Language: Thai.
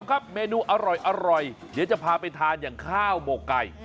ครับเมนูอร่อยเดี๋ยวจะพาไปทานอย่างข้าวหมกไก่